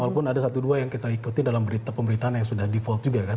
walaupun ada satu dua yang kita ikuti dalam berita pemberitaan yang sudah default juga kan